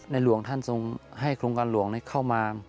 หลวงท่านทรงให้โครงการหลวงเข้ามา